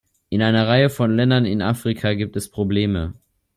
In einer Reihe von Ländern in Afrika gibt es Probleme.